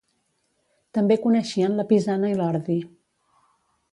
També coneixien la pisana i l'ordi.